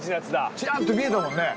ちらっと見えたもんね